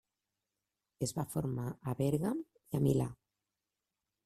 Es va formar a Bèrgam i a Milà.